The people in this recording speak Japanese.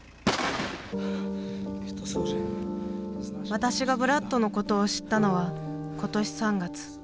私がブラッドのことを知ったのは今年３月。